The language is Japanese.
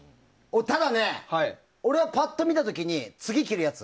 ただね、俺はパッと見た時に次着るやつ